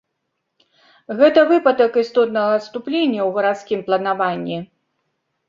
Гэта выпадак істотнага адступлення ў гарадскім планаванні.